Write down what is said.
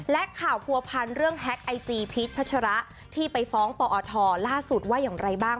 และข่าวผัวพันเรื่องแฮ็กไอจีพีชพัชระที่ไปฟ้องปอทล่าสุดว่าอย่างไรบ้าง